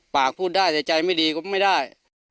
พูดได้แต่ใจไม่ดีก็ไม่ได้